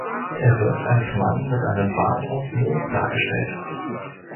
Er wird als Mann mit einem Bart aus Moos dargestellt.